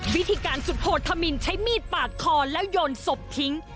วิธีการสุดโหดธมินใช้มีดปาดคอแล้วโยนศพทิ้ง